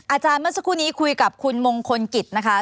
อาจารย์เมื่อสักครู่นี้คุยกับคุณมงคลกิจนะคะ